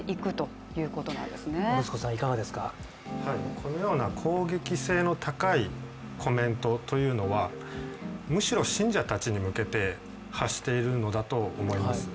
このような攻撃性の高いコメントというのはむしろ信者たちに向けて発しているのだと思います。